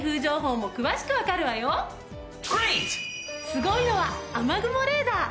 すごいのは雨雲レーダー！